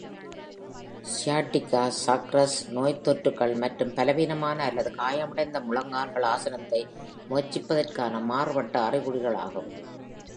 Sciatica, sacral நோய்த்தொற்றுகள் மற்றும் பலவீனமான அல்லது காயமடைந்த முழங்கால்கள் ஆசனத்தை முயற்சிப்பதற்கான மாறுபட்ட அறிகுறிகளாகும்.